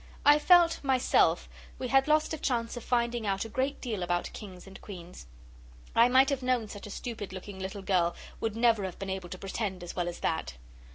I felt, myself, we had lost a chance of finding out a great deal about kings and queens. I might have known such a stupid looking little girl would never have been able to pretend, as well as that.